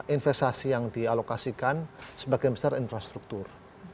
investasi yang dialokasikan sebagai infrastruktur